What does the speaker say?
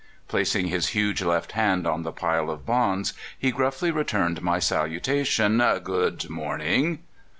Placing his huge left hand on the pile of bonds, he gruffly re turned my salutation: "Good morning."